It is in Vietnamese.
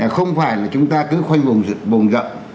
không phải là chúng ta cứ khoanh vùng rộng